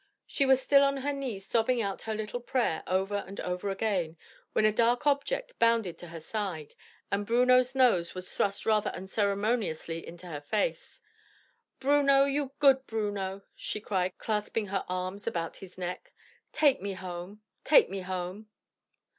She was still on her knees sobbing out her little prayer over and over again, when a dark object bounded to her side, and Bruno's nose was thrust rather unceremoniously into her face. "Bruno, you good Bruno!" she cried clasping her arms about his neck, "take me home! take me home!"